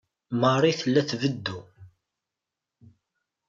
Marie tella tbeddu.